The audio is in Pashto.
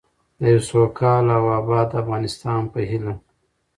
د یوه سوکاله او باادبه افغانستان په هیله.